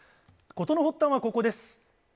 事の発端はここです。